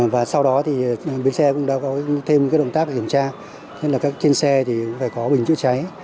và sau đó thì bến xe cũng đã có thêm cái động tác kiểm tra nên là các trên xe thì phải có bình chữa cháy